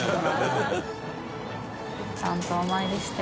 鷲見）ちゃんとお参りして。